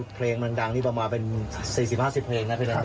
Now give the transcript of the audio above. เพลงมันดังนี่ประมาณเป็น๔๐๕๐เพลงนะเพลงมันดัง